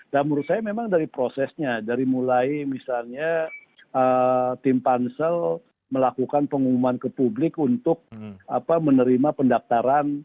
dan menurut saya memang dari prosesnya dari mulai misalnya tim pansel melakukan pengumuman ke publik untuk menerima pendaktaran